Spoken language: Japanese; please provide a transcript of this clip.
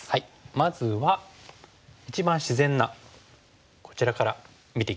まずは一番自然なこちらから見ていきましょう。